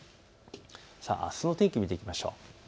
あすの天気を見ていきましょう。